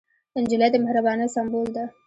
نجلۍ د مهربانۍ سمبول ده.